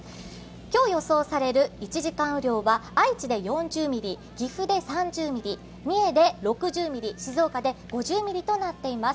今日予想される１時間雨量は愛知で４０ミリ、岐阜で３０ミリ、三重で４０ミリ、静岡で５０ミリとなっています。